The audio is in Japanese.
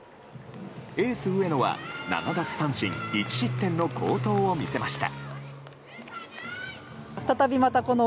エース上野は７奪三振１失点の好投を見せました。